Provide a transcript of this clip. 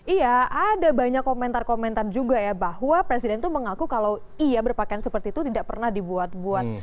iya ada banyak komentar komentar juga ya bahwa presiden itu mengaku kalau iya berpakaian seperti itu tidak pernah dibuat buat